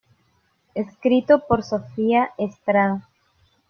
Escrito por sofia estrada